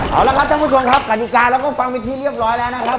เอาละครับท่านผู้ชมครับกฎิกาเราก็ฟังเป็นที่เรียบร้อยแล้วนะครับ